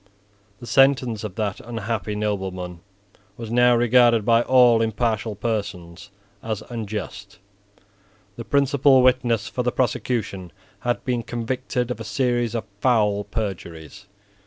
The sentence of that unhappy nobleman was now regarded by all impartial persons as unjust. The principal witness for the prosecution had been convicted of a series of foul perjuries.